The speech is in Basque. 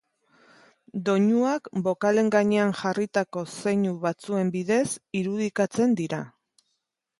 Doinuak bokalen gainean jarritako zeinu batzuen bidez irudikatzen dira.